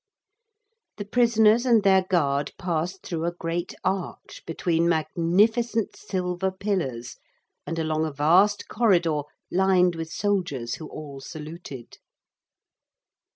The prisoners and their guard passed through a great arch between magnificent silver pillars, and along a vast corridor, lined with soldiers who all saluted.